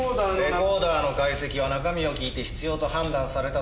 レコーダーの解析は中身を聞いて必要と判断された時のみ行う。